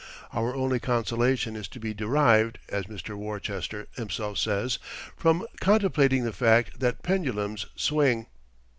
Our only consolation is to be derived, as Mr. Worcester himself says, "from contemplating the fact that pendulums swing."